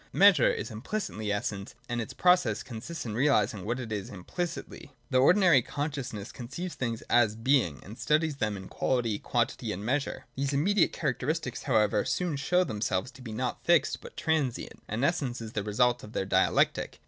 Measure is implicitly Essence; and its process consists in realising what it is implicitly. — The ordinary consciousness 2o6 THE DOCTRINE OF BEING. [iii. conceives things as being, and studies them in quality, quantity, and measure. These immediate characteristics how ever soon show themselves to be not fixed but transient ; and Essence is the result of their dialectic.